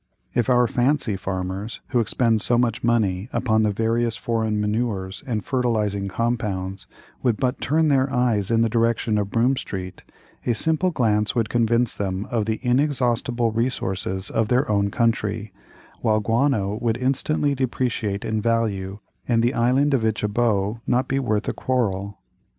If our fancy farmers, who expend so much money upon the various foreign manures and fertilizing compounds, would but turn their eyes in the direction of Broome Street, a single glance would convince them of the inexhaustible resources of their own country, while guano would instantly depreciate in value, and the island of Ichaboe not be worth a quarrel.